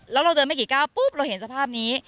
แล้วเราเดินไม่กี่ก้าวปุ๊บเราเห็นสภาพนี้